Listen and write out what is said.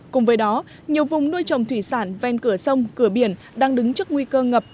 cùng với đó nhiều vùng nuôi trồng thủy sản ven cửa sông cửa biển đang đứng trước nguy cơ ngập